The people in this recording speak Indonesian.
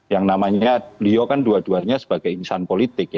yang namanya beliau kan dua duanya sebagai insan politik